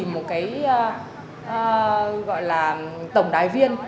một cái gọi là tổng đài viên